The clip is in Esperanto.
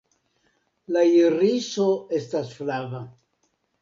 La iriso estas flava.